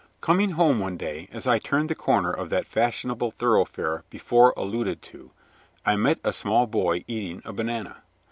Coming home one day, as I turned the corner of that fashionable thoroughfare before alluded to, I met a small boy eating a banana.